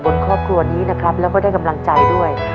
ครอบครัวนี้นะครับแล้วก็ได้กำลังใจด้วย